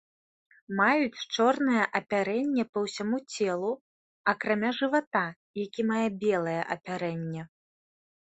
Маюць чорнае апярэнне па ўсяму целу, акрамя жывата які мае белае апярэнне.